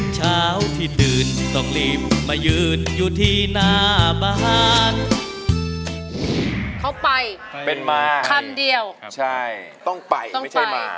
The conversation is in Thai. เขาไปเป็นมาให้คำเดียวใช่ต้องไปไม่ใช่มา